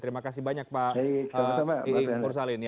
terima kasih banyak pak iing mursalin